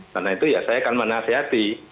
karena itu ya saya akan menasihati